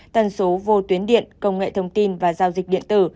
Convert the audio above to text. tần số vô tuyến điện công nghệ thông tin và giao dịch điện tử